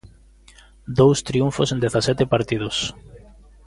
Dous triunfos en dezasete partidos.